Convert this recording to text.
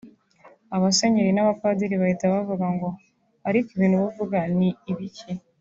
Abasenyeri n’abapadiri bahita bavuga ngo ariko ibintu uba uvuga ni ibiki